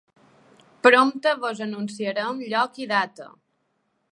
Prompte vos anunciarem lloc i data.